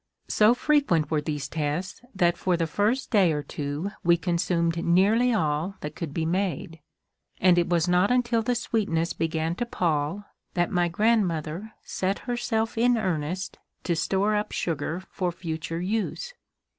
So frequent were these tests that for the first day or two we consumed nearly all that could be made; and it was not until the sweetness began to pall that my grandmother set herself in earnest to store up sugar for future use.